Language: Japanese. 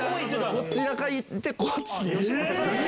こちらから行って、こっちで。